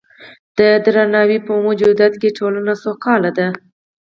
د درناوي په موجودیت کې ټولنه سوکاله ده.